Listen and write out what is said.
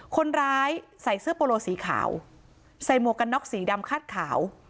คนร้ายใส่เสื้อโปโลสีขาวใส่หมวกกันน็อกสีดำคาดขาว